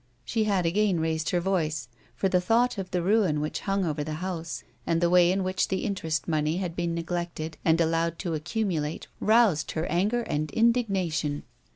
She had again raised her voice, for the thought of the ruin which hung over the house, and the way in which the interest money had been neglected and allowed to accumulate roused her anger and indignation.